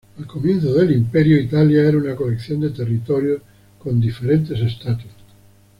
Al comienzo del Imperio, Italia era una colección de territorios con diferentes estatus.